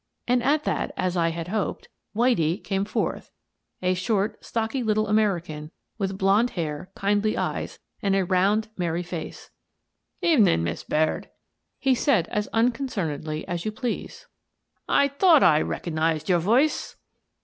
And at that, as I had hoped, "Whitie" came forth — a short, stocky little American with blond hair, kindly eyes, and a round, merry face. " Evening, Miss Baird," he said as unconcernedly as you please. "I thought I recognized your voice."